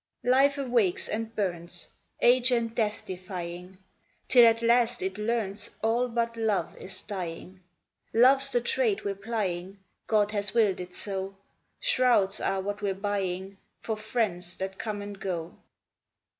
Life awakes and burns, Age and death defying, Till at last it learns All but Love is dying; Love's the trade we're plying, God has willed it so; Shrouds are what we're buying For friends that come and go.